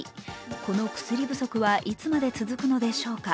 この薬不足はいつまで続くのでしょうか。